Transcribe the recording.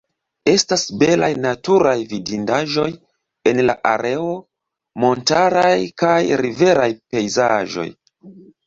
Estas belaj naturaj vidindaĵoj en la areo, montaraj kaj riveraj pejzaĝoj.